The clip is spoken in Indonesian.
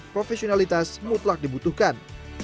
profesionalitas mutlak dibutuhkan